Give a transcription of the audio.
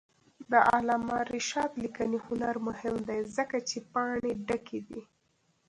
د علامه رشاد لیکنی هنر مهم دی ځکه چې پاڼې ډکې دي.